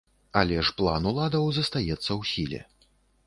Але ж план уладаў застаецца ў сіле.